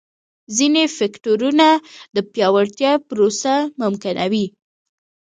ځیني فکټورونه د پیاوړتیا پروسه ممکنوي.